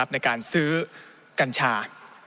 ในการซื้อกัญชา